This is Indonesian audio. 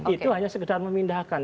itu hanya sekedar memindahkan